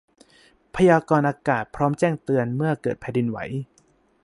พยากรณ์อากาศพร้อมแจ้งเตือนเมื่อเกิดแผ่นดินไหว